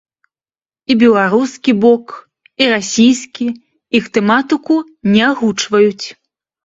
І беларускі бок, і расійскі іх тэматыку не агучваюць.